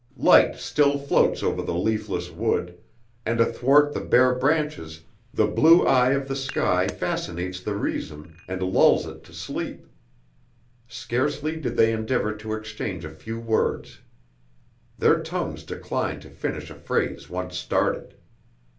Light still floats over the leafless wood, and athwart the bare branches the blue eye of the sky fascinates the reason and lulls it to sleep.... Scarcely did they endeavor to exchange a few words. Their tongues declined to finish a phrase once started.